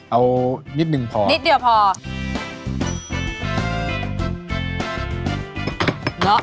เอานิดหนึ่งพอเหลียวพอนิดหนึ่งพอ